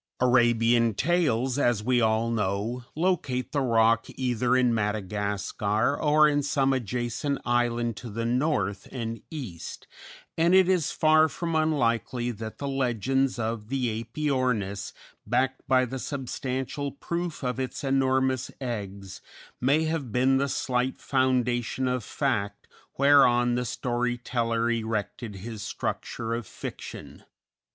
Arabian tales, as we all know, locate the Roc either in Madagascar or in some adjacent island to the north and east, and it is far from unlikely that legends of the Æpyornis, backed by the substantial proof of its enormous eggs, may have been the slight foundation of fact whereon the story teller erected his structure of fiction.